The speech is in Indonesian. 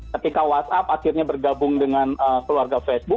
ketika whatsapp akhirnya bergabung dengan keluarga facebook